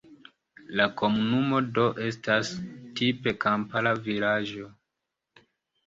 La komunumo do estas tipe kampara vilaĝo.